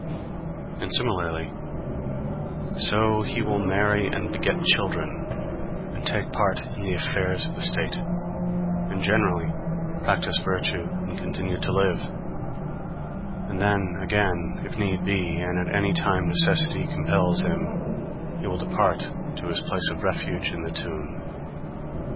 And similarly: _So he will marry and beget children and take part in the affairs of the State, and, generally, practice virtue and continue to live; and then, again, if need be, and at any time necessity compels him, he will depart to his place of refuge in the tomb.